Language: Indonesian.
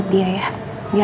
kita mau pegelar